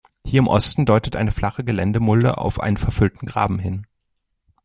Hier im Osten deutet eine flache Geländemulde auf einen verfüllten Graben hin.